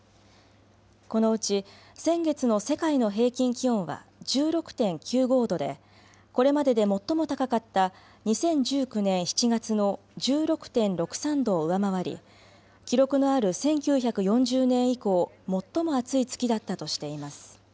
このうち先月の世界の平均気温は１６．９５度でこれまでで最も高かった２０１９年７月の１６．６３度を上回り記録のある１９４０年以降最も暑い月だったとしています。